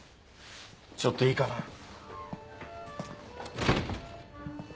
ちょっといいかな。